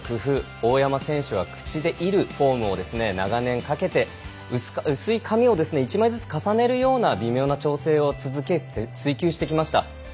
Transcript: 大山選手は口で射るフォームを長年かけて薄い紙を１枚ずつ重ねるような微妙な調整を続け追及してきました。